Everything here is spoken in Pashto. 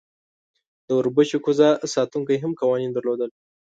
د اوربشو کوزه ساتونکی هم قوانین درلودل.